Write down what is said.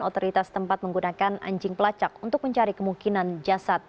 otoritas tempat menggunakan anjing pelacak untuk mencari kemungkinan jasad